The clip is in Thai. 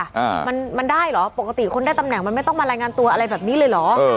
อ่ามันมันได้เหรอปกติคนได้ตำแหน่งมันไม่ต้องมารายงานตัวอะไรแบบนี้เลยเหรอ